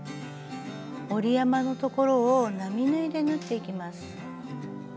折り山の所を並縫いで縫っていきます。